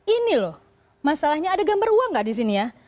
ini loh masalahnya ada gambar uang nggak di sini ya